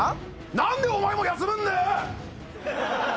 なんでお前も休むんだよ！